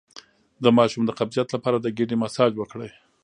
د ماشوم د قبضیت لپاره د ګیډې مساج وکړئ